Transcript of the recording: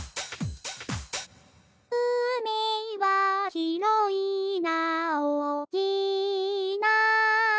「うみはひろいなおおきいな」